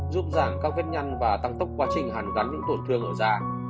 giúp giảm các vết nhăn và tăng tốc quá trình hàn gắn những tổn thương ở da